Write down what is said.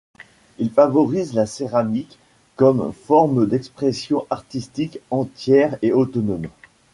Il favorise la céramique comme forme d'expression artistique entière et autonome.